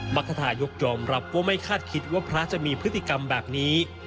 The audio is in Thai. รรคทายกยอมรับว่าไม่คาดคิดว่าพระจะมีพฤติกรรมแบบนี้